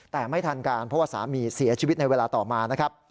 แต่ไม่ทันการเพราะว่าสามีเสียชีวิตในเวลาต่อมานะครับ